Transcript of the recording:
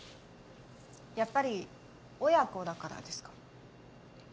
やっぱり親子だからですか？